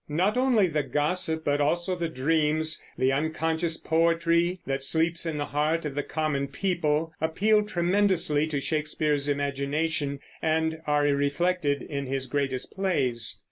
Not only the gossip but also the dreams, the unconscious poetry that sleeps in the heart of the common people, appeal tremendously to Shakespeare's imagination and are reflected in his greatest plays.